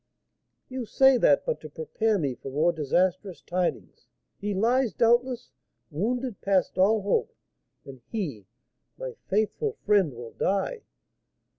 "You say that but to prepare me for more disastrous tidings; he lies, doubtless, wounded past all hope; and he, my faithful friend, will die!"